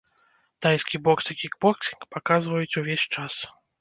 Тайскі бокс і кікбоксінг паказваюць увесь час.